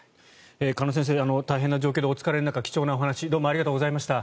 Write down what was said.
鹿野先生大変な状況でお疲れの中貴重なお話をどうもありがとうございました。